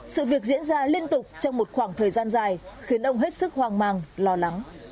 sự việc diễn ra liên tục trong một khoảng thời gian dài khiến ông hết sức hoang mang lo lắng